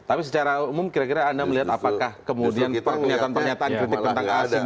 tapi secara umum kira kira anda melihat apakah kemudian pernyataan pernyataan kritik tentang asing